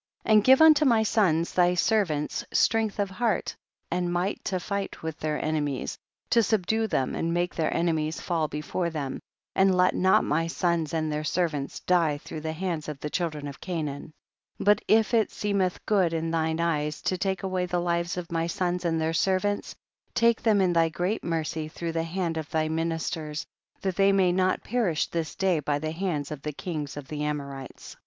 And give unto my sons, thy servants, strength of heart and might to fight with their enemies, to subdue them, and make their enemies fall before them, and let not my sons and their servants die through the hands of the children of Canaan, 16. But if it seemeth good in thine eyes to take away the lives of my sons and their servants, take them in thy great mercy through the hand of thy ministers,* that they may not perish this day by the hands of the kings of the Amorites. 17.